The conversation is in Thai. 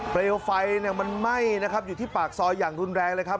เปลวไฟมันไหม้นะครับอยู่ที่ปากซอยอย่างรุนแรงเลยครับ